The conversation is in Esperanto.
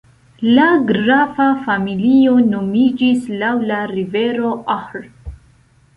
La grafa familio nomiĝis laŭ la rivero Ahr.